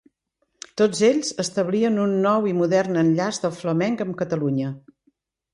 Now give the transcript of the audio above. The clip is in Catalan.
Tots ells establien un nou i modern enllaç del flamenc amb Catalunya.